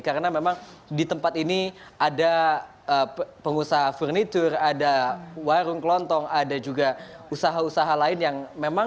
karena memang di tempat ini ada pengusaha furniture ada warung kelontong ada juga usaha usaha lain yang memang